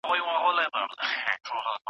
انټرنیټ د نوي نسل لپاره د پوهې دروازه ده.